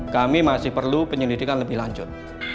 kami masih perlu penyelidikan lebih lanjut